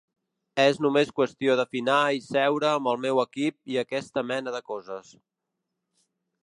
És només qüestió d'afinar i seure amb el meu equip i aquesta mena de coses.